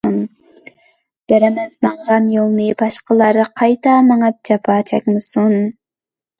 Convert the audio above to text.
بىرىمىز ماڭغان يولنى باشقىلار قايتا مېڭىپ جاپا چەكمىسۇن.